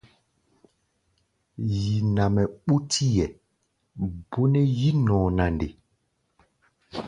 Yi nɛ mɛ ɓútí hɛ̧ɛ̧, bó nɛ́ yí-nɔɔ na nde?